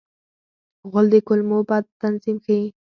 غول د کولمو بد تنظیم ښيي.